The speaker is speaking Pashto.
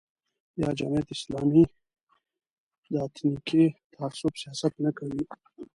یا جمعیت اسلامي د اتنیکي تعصب سیاست نه کوي.